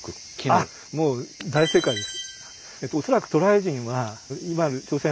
あっもう大正解です。